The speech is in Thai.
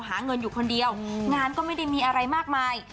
หาเงินอยู่คนเดียวงานก็ไม่ได้มีอะไรมากมาย